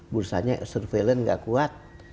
bursanya surveillance nggak kuat